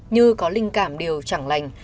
như có linh cảm điều chẳng lành